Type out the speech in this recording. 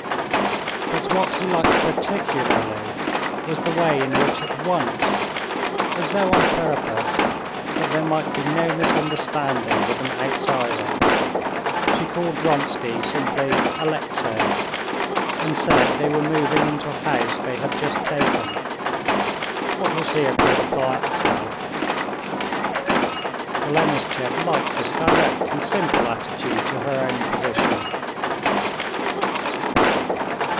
But what he liked particularly was the way in which at once, as though on purpose that there might be no misunderstanding with an outsider, she called Vronsky simply Alexey, and said they were moving into a house they had just taken, what was here called a palazzo. Golenishtchev liked this direct and simple attitude to her own position.